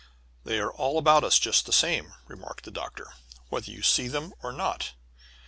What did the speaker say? "They are all about us just the same," remarked the Doctor, "whether you see them or not.